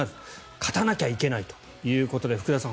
勝たなきゃいけないということで福田さん